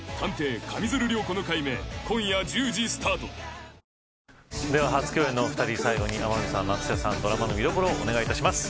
ＷＩＬＫＩＮＳＯＮでは初共演のお二人最後に天海さん、松下さんドラマの見どころをお願いします。